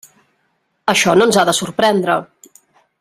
Això no ens ha de sorprendre.